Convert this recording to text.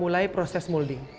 mulai proses molding